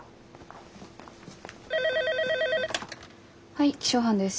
☎はい気象班です。